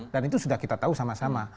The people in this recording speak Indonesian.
dan itu sudah kita tahu sama sama